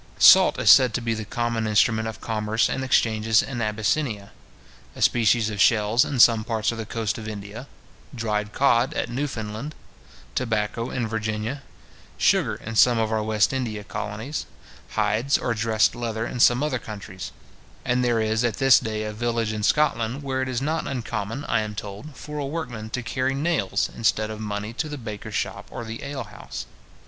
Salt is said to be the common instrument of commerce and exchanges in Abyssinia; a species of shells in some parts of the coast of India; dried cod at Newfoundland; tobacco in Virginia; sugar in some of our West India colonies; hides or dressed leather in some other countries; and there is at this day a village in Scotland, where it is not uncommon, I am told, for a workman to carry nails instead of money to the baker's shop or the ale house.